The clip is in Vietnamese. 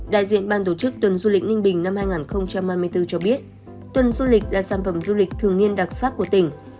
đại diện ban tổ chức tuần du lịch ninh bình năm hai nghìn hai mươi bốn cho biết tuần du lịch là sản phẩm du lịch thường niên đặc sắc của tỉnh